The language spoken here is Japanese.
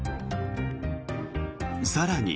更に。